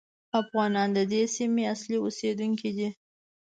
افغانان د دې سیمې اصلي اوسېدونکي دي.